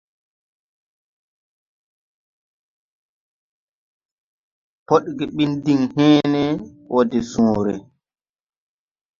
Podge bin din hęęne wɔɔ de sõõre.